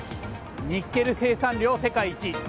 ニッケル生産量世界一。